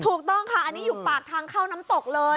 ถูกต้องค่ะอันนี้อยู่ปากทางเข้าน้ำตกเลย